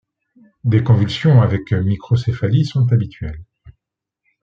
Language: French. Des convulsions avec microcéphalie sont habituelles.